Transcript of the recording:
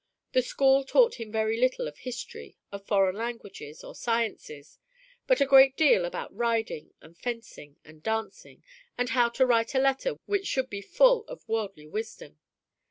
The school taught him very little of history, of foreign languages, or sciences, but a great deal about riding and fencing and dancing, and how to write a letter which should be full of worldly wisdom.